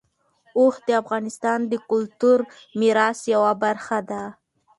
اوښ د افغانستان د کلتوري میراث یوه برخه ده.